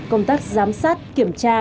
công tác giám sát kiểm tra